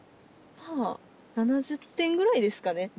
まあ７０点ぐらいですかね。